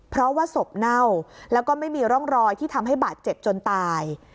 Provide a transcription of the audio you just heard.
เพราะว่าศพเน่าแล้วก็ไม่มีร่องรอยที่ทำให้บาดเจ็บจนตาย